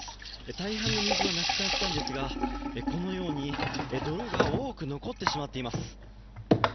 大半の水はなくなったんですがこのように泥が多く残ってしまっています。